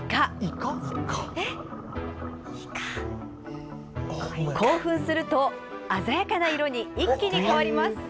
興奮すると鮮やかな色に一気に変わります。